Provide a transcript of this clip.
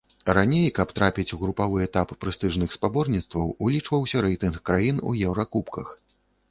Раней, каб трапіць у групавы этап прэстыжных спаборніцтваў, улічваўся рэйтынг краін у еўракубках.